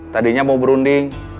tadinya mau berunding